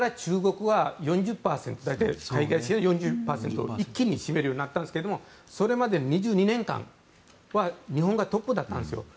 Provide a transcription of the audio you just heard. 実は２０１９年から４０％一気に占めるようになったんですけどそれまで２２年間は日本がトップだったんですよ。